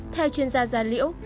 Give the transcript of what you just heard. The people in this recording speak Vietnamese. theo chuyên gia gia liễu